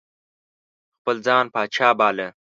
خپل ځان پاچا باله.